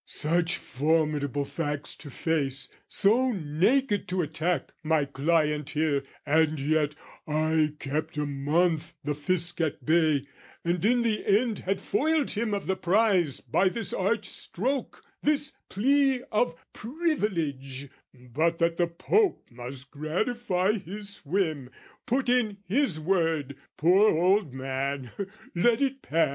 'Such formidable facts to face, "'So naked to attack, my client here, "'And yet I kept a month the Fisc at bay, "'And in the end had foiled him of the prize "'By this arch stroke, this plea of privilege, "'But that the Pope must gratify his whim, "'Put in his word, poor old man, let it pass!'